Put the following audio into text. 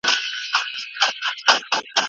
ږیره لرونکی سړی چیرته ډوډۍ او مڼه راوړي؟